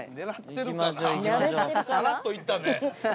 さらっといったね。